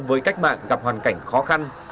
với cách mạng gặp hoàn cảnh khó khăn